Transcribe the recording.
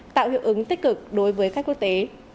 tạo hiệu ứng tích cực đối với khách quốc tế